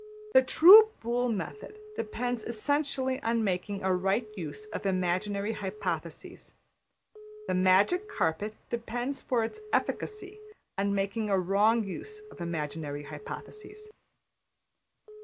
The true Boole method depends essentially on making a right use of imaginary hypotheses. The magic carpet depends for its efficacy on making a wrong use of imaginary hypotheses.